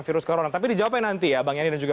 virus corona tapi dijawabkan nanti ya bang yani dan juga